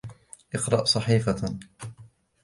أقرا صحيفةً.